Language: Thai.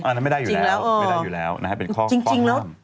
อันนั้นไม่ได้อยู่แล้วเป็นข้อห้ามเออจริงแล้ว